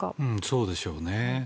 そうでしょうね。